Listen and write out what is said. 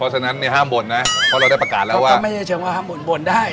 เพราะฉะนั้นเนี่ยห้ามบ่นนะก็เราได้ประกาศแล้วว่าก็ไม่ได้ถึงว่าห้ามบ่นบ่นได้